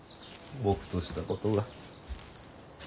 僕としたことが。